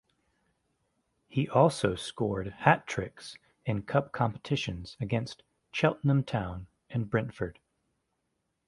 He also scored hat-tricks in cup competitions against Cheltenham Town and Brentford.